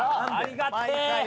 ありがてえ！